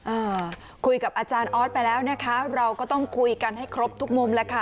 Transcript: อ่าคุยกับอาจารย์ออสไปแล้วนะคะเราก็ต้องคุยกันให้ครบทุกมุมแล้วค่ะ